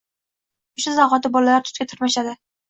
O‘sha zahoti bolalar tutga tarmashadi.